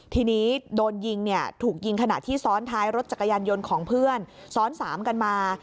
ทีนี้โดนยิงเนี่ยถูกยิงขณะที่ซ้อนท้ายรถจักรยานยนต์ของเพื่อนซ้อนสามกันมา